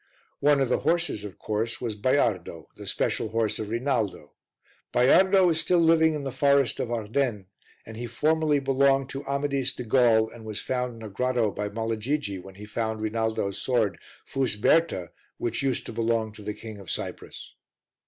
One of the horses, of course, was Baiardo, the special horse of Rinaldo. Baiardo is still living in the forest of Ardennes, he formerly belonged to Amadis de Gaul and was found in a grotto by Malagigi when he found Rinaldo's sword, Fusberta, which used to belong to the King of Cyprus.